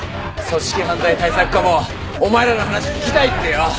組織犯罪対策課もお前らの話聞きたいってよ。